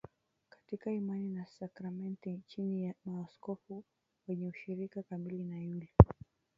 katika imani na sakramenti chini ya maaskofu wenye ushirika kamili na yule